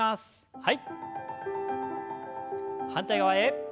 はい。